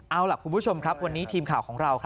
เอาล่ะคุณผู้ชมครับวันนี้ทีมข่าวของเรา